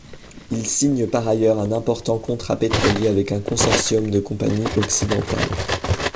Il signe par ailleurs un important contrat pétrolier avec un consortium de compagnies occidentales.